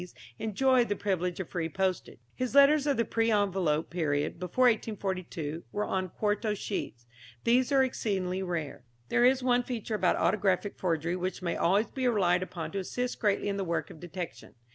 's enjoyed the privilege of free postage. His letters of the pre envelope period before 1842 were on quarto sheets. These are exceedingly rare. There is one feature about autographic forgery which may always be relied upon to assist greatly in the work of detection.